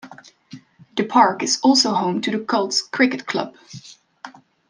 The park is also home to the Cults Cricket Club.